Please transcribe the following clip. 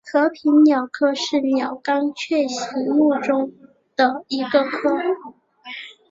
和平鸟科是鸟纲雀形目中的一个科。